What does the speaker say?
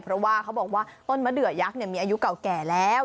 เพราะว่าเขาบอกว่าต้นมะเดือยักษ์มีอายุเก่าแก่แล้ว